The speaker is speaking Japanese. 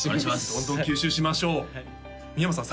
どんどん吸収しましょう三山さん